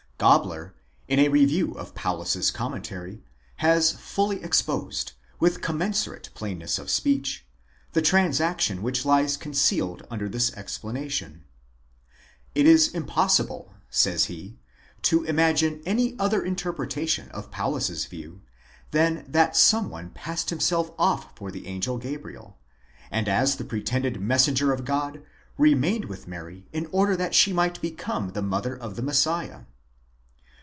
Gabler, in a review of Paulus's Commentary has fully exposed, with com mensurate plainness of speech, the transaction which lies concealed under this explanation. It is impossible, says he, to imagine any other interpreta tion of Paulus's view than that some one passed himself off for the angel Gabriel, and as the pretended Messenger of God remained with Mary in order that she might become the mother of the Messiah.